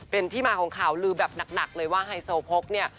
เป็นที่มาของข่าวลือแบบหนักเลยว่าไฮโซโพกเนี่ย